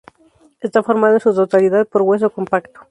Está formado, en su totalidad, por hueso compacto.